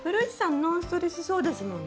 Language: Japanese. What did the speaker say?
ノンストレスそうですもんね。